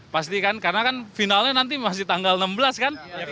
pasti kan karena kan finalnya nanti masih tanggal enam belas kan